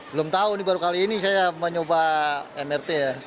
belum tahu ini baru kali ini saya mencoba mrt ya